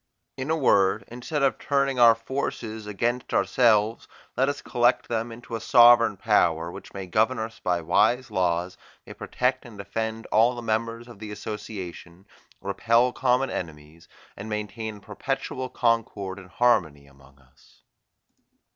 In a word, instead of turning our forces against ourselves, let us collect them into a sovereign power, which may govern us by wise laws, may protect and defend all the members of the association, repel common enemies, and maintain a perpetual concord and harmony among us."